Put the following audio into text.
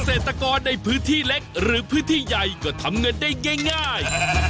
เศรษฐกรในพื้นที่เล็กหรือพื้นที่ใหญ่ก็ทำเงินได้ง่าย